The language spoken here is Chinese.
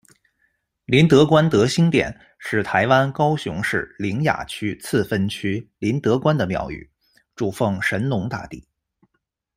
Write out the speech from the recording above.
林德官德兴殿，是台湾高雄市苓雅区次分区林德官的庙宇，主奉神农大帝。